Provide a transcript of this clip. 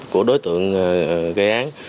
của đối tượng gây án